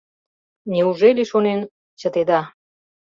Неужели, шонем, чытеда?